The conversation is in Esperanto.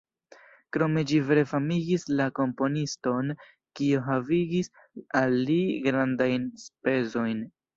Krome ĝi vere famigis la komponiston, kio havigis al li grandajn enspezojn.